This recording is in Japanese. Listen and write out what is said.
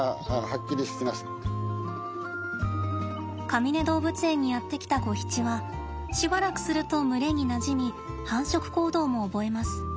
かみね動物園にやって来たゴヒチはしばらくすると群れになじみ繁殖行動も覚えます。